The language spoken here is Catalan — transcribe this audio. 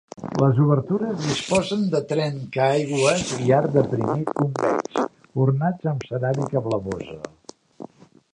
Les obertures disposen de trencaaigües i arc deprimit convex, ornats amb ceràmica blavosa.